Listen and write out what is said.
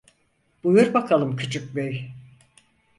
Buyur bakalım küçükbey…